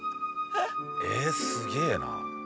えっすげえな。